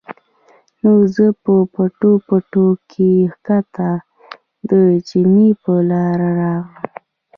نو زۀ پۀ پټو پټو کښې ښکته د چینې پۀ لاره راغلم